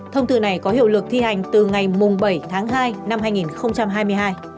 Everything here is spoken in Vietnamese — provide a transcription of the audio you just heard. thông tư này có hiệu lực thi hành từ ngày bảy tháng hai năm hai nghìn hai mươi hai